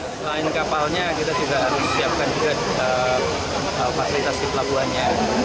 selain kapalnya kita juga harus siapkan juga fasilitas di pelabuhannya